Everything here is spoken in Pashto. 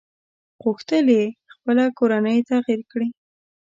غوښتل يې خپله کورنۍ تغيير کړي.